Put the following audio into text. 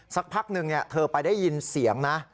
สักพักหนึ่งเธอไปได้ยินเสียงนะ